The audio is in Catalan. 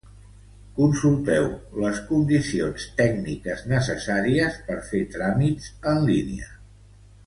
Consulteu les condicions tècniques necessàries per fer tràmits en línia.